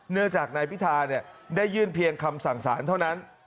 เนื่องจากนายพิธาได้ยื่นเพียงคำสั่งสารเท่านั้น